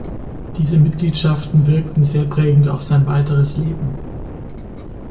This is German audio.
Diese Mitgliedschaften wirkten sehr prägend auf sein weiteres Leben.